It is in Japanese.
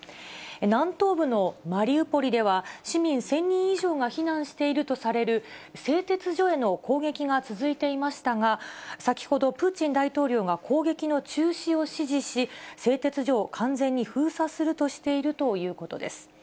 南東部のマリウポリでは、市民１０００人以上が避難しているとされる、製鉄所への攻撃が続いていましたが、先ほどプーチン大統領が攻撃の中止を指示し、製鉄所を完全に封鎖するとしているということです。